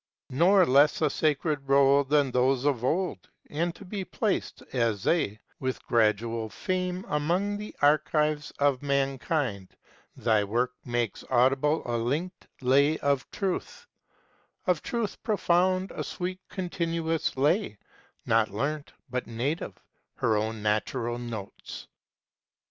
Nor less a sacred roll, than those of old, And to be placed, as they, with gradual fame Among the archives of mankind, thy work Makes audible a linked lay of Truth, Of Truth profound a sweet continuous lay, Not learnt, but native, her own natural notes!